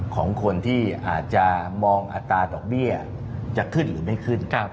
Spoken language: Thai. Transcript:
ของคนที่อาจจะมองอัตราดอกเบี้ยจะขึ้นหรือไม่ขึ้น